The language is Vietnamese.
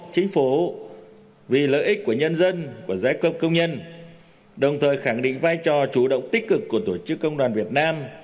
chính phủ vì lợi ích của nhân dân của giai cấp công nhân đồng thời khẳng định vai trò chủ động tích cực của tổ chức công đoàn việt nam